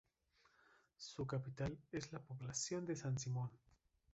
Su capital es la población de San Simón.